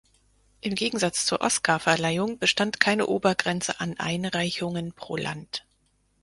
Im Gegensatz zur Oscarverleihung bestand keine Obergrenze an Einreichungen pro Land.